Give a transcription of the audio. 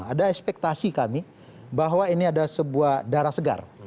ini adalah ekspektasi kami bahwa ini adalah sebuah darah segar